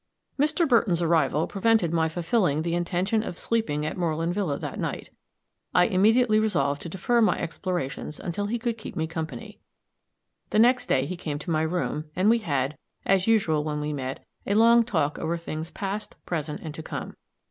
Mr. Burton's arrival prevented my fulfilling the intention of sleeping at Moreland villa that night; I immediately resolved to defer my explorations until he could keep me company. The next day he came to my room, and we had, as usual when we met, a long talk over things past, present and to come.